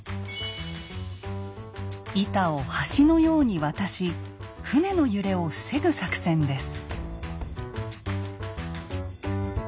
板を橋のように渡し船の揺れを防ぐ作戦です。